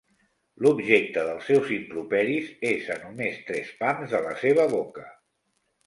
L'objecte dels seus improperis és a només tres pams de la seva boca.